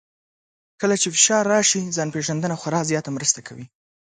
کله چې فشار راشي، ځان پېژندنه خورا زیاته مرسته کوي.